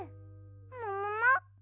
ももも？